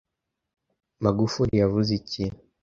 Magufuli yavuze iki?